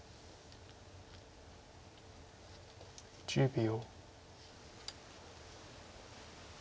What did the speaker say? １０秒。